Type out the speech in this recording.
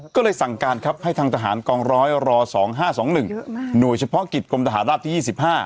ก็เลยสั่งการครับให้ทางทหารกองร้อยร๒๕๒๑หน่วยเฉพาะกิจกรมทหารราบที่๒๕